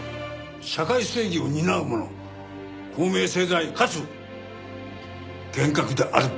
社会正義を担う者公明正大かつ厳格であるべきです。